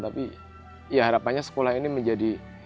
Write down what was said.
tapi ya harapannya sekolah ini menjadi